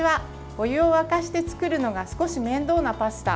お湯を沸かして作るのが少し面倒なパスタ。